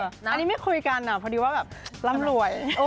อันนี้ไม่คุยกันพอดีว่าแบบร่ำรวย